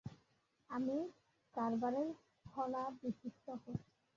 আমি কার্ভারের স্থলাভিষিক্ত হচ্ছি?